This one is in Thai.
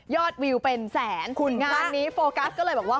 วิวเป็นแสนงานนี้โฟกัสก็เลยบอกว่า